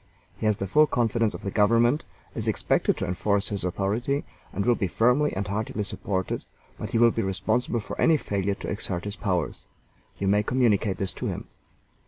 He has the full confidence of the Government, is expected to enforce his authority, and will be firmly and heartily supported, but he will be responsible for any failure to exert his powers. You may communicate this to him.